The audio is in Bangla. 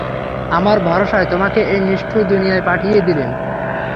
আমার ভরসায় তোমাকে এই নিষ্ঠুর দুনিয়ায় পাঠিয়ে দিলেন।